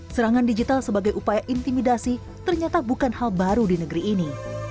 serangan digital sebagai upaya intimidasi ternyata bukan hal baru di negeri ini